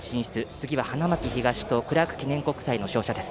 次は花巻東とクラーク記念国際の勝者です。